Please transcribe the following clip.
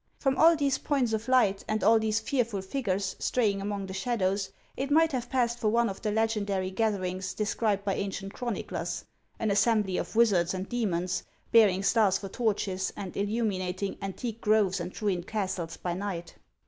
From all these points of light and all these fearful figures straying among the shadows, it might have passed for one of the legendary gatherings described by ancient chroniclers, — an assembly of wizards and demons, bearing stars for torches, and illuminating an tique groves and ruined castles by night.